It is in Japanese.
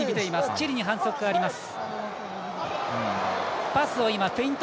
チリに反則があります。